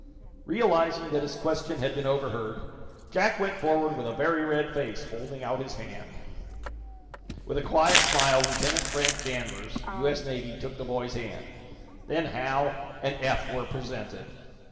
Realizing that his question had been overheard, Jack went forward with a very red face, holding out his hand. With a quiet smile, Lieutenant Frank Danvers, U.S. Navy, took the boy's hand. Then Hal and Eph were presented.